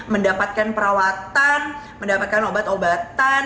mendapatkan perawatan mendapatkan obat obatan